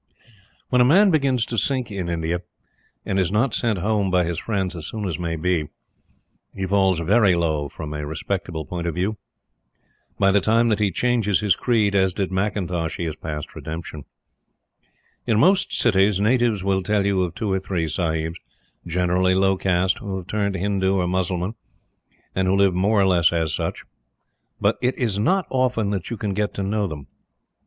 When a man begins to sink in India, and is not sent Home by his friends as soon as may be, he falls very low from a respectable point of view. By the time that he changes his creed, as did McIntosh, he is past redemption. In most big cities, natives will tell you of two or three Sahibs, generally low caste, who have turned Hindu or Mussulman, and who live more or less as such. But it is not often that you can get to know them.